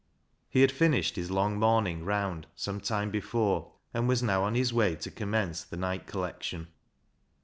He had finished his long morning round some time before, and was now on his way to commence the night collection.